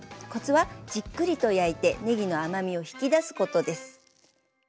コツはじっくりと焼いてねぎの甘みを引き出すことです。